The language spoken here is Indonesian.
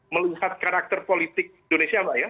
melihat karakter politik indonesia mbak ya